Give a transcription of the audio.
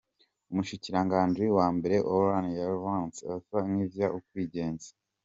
Umushikiranganji wa mbere Orban yaravyanse, aca ivyita “ukwigenza”.